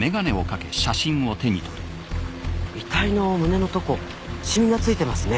遺体の胸のとこシミがついてますね